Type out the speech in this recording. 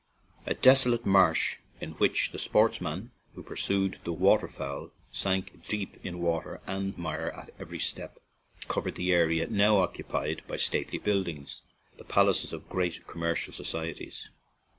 A desolate marsh, in which the sportsman who pursued the water fowl sank deep in water and mire at every step, covered the area now occupied by stately buildings, the palaces of great commercial societies."